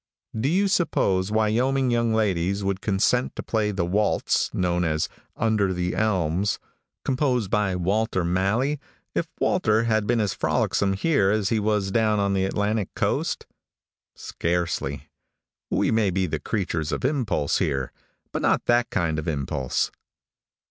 Do you suppose Wyoming young ladies would consent to play the waltz known as "Under the Elms," composed by Walter Malley, if Walter had been as frolicsome here as he was down on the Atlantic coast? Scarcely. We may be the creatures of impulse here, but not that kind of impulse.